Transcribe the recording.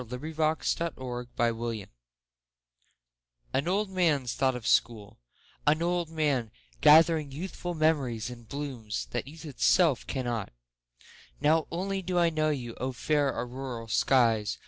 An Old Man's Thought of School AN old man's thought of School; An old man, gathering youthful memories and blooms, that youth itself cannot. Now only do I know you!O fair auroral skies!